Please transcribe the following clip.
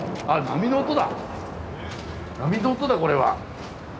波の音だこれは。